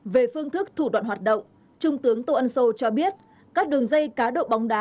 về phương thức thủ đoạn hoạt động trung tướng tô ân sô cho biết các đường dây cá độ bóng đá